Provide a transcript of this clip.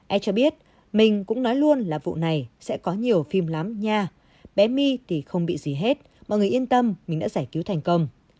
ai cho biết mình cũng nói luôn là vụ này sẽ có nhiều phim lắm nha bé mi thì không bị gì hết mà người yên tâm mình đã giải cứu thành công